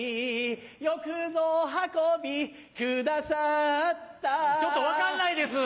よくぞお運び下さったちょっと分かんないです！